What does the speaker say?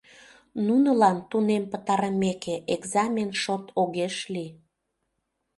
Нунылан, тунем пытарымеке, экзамен шот огеш лий.